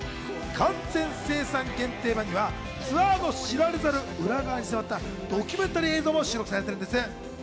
完全生産限定版にはツアーの知られざる裏側に迫ったドキュメンタリー映像も収録されているんです。